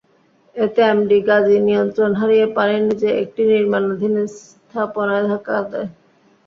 এতে এমভি গাজী নিয়ন্ত্রণ হারিয়ে পানির নিচে একটি নির্মাণাধীন স্থাপনায় ধাক্কা দেয়।